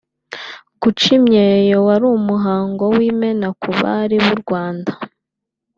Guca imyeyo wari umuhango w’Imena ku Bari b’u Rwanda